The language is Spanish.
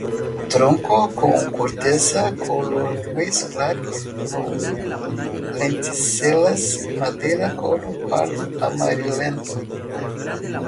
Tronco con corteza color gris claro, con lenticelas; madera color pardo amarillento.